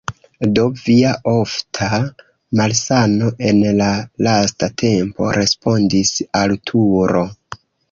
"Do Via ofta malsano en la lasta tempo!" Respondis Arturo.